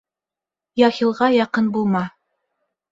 Яһилға яҡын булма.